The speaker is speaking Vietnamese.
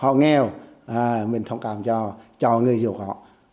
họ nghèo mình thông cảm cho người dù có